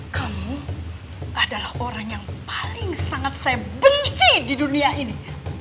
kamu adalah orang yang paling sangat saya benci di dunia ini